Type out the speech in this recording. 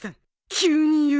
「急に言う」？